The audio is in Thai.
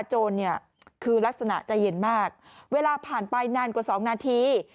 โจรเนี่ยคือลักษณะใจเย็นมากเวลาผ่านไปนานกว่า๒นาที